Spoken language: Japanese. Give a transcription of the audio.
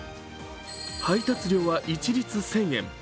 配達料は一律１０００円。